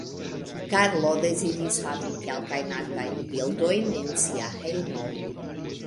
Karlo deziris havi kelkajn artajn bildojn en sia hejmo.